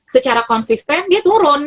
secara konsisten dia turun